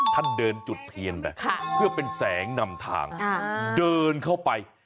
ท่านเดินจุดเทียนไปเพื่อเป็นแสงนำทางเดินเข้าไป